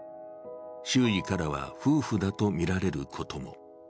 周囲からは夫婦だと見られることも。